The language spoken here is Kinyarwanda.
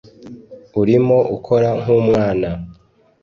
urimo ukora nk'umwana